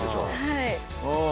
はい。